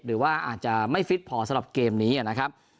หรือว่าอาจจะไม่ฟิตพอสำหรับเกมนี้นะครับ